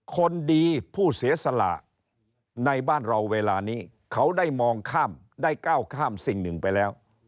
คนดีผู้เสียสละในบ้านเราเวลานี้เขาได้มองข้ามได้ก้าวข้ามสิ่งหนึ่งไปแล้ว